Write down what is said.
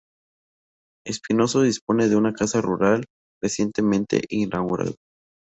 Espinoso dispone de una casa rural recientemente inaugurada.